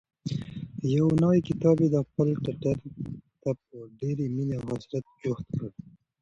یو نوی کتاب یې خپل ټټر ته په ډېرې مینې او حسرت جوخت کړ.